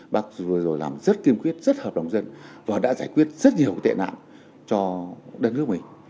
bác vừa rồi làm rất kiên quyết rất hợp đồng dân và đã giải quyết rất nhiều tệ nạn cho đất nước mình